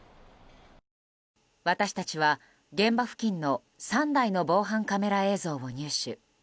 私たちは現場付近の３台の防犯カメラ映像を入手。